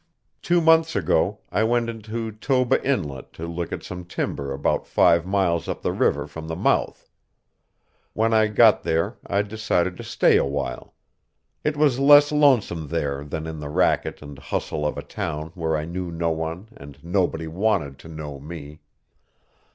Two months ago I went into Toba Inlet to look at some timber about five miles up the river from the mouth. When I got there I decided to stay awhile. It was less lonesome there than in the racket and hustle of a town where I knew no one and nobody wanted to know me.